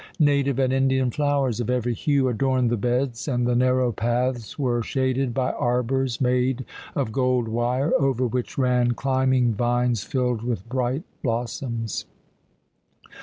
Native and Indian flowers of every hue adorned the beds, and the narrow paths were shaded by arbours made of gold wire, over which ran climbing vines filled with bright blossoms.